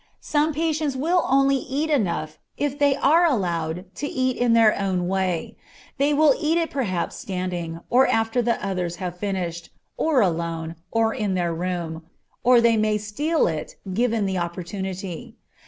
Some patients will only eat enough if they are allowed to eat it in their own way; they will eat it perhaps standing, or after the others have finished, or alone, or in their room, or they may steal it, if given the opportunity.